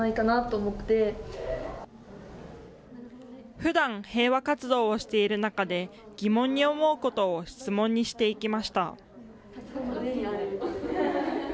ふだん、平和活動をしている中で、疑問に思うことを質問にしていきました。